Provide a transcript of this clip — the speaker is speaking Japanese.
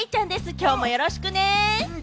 きょうもよろしくね！